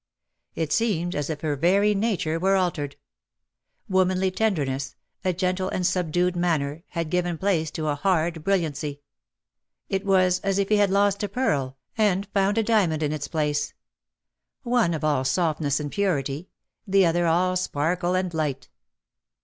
It seemed as if her very nature were altered. Womanly tendenderness, a gentle and subdued manner, had given place to a hard bril liancy. It was as if he had lost a pearl, and found 138 " GAI DONC, LA VOYAGE Us E, a diamond in its place — one all softness and purity, the other all sparkle and light.